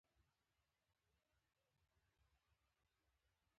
موټر د ټولنیزو کارونو برخه ده.